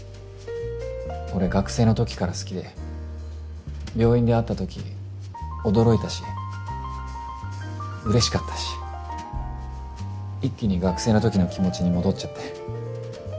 俺学生の時から好きで病院で会った時驚いたし嬉しかったし一気に学生の時の気持ちに戻っちゃって。